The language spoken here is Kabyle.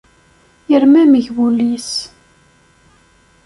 Yermameg wul-is.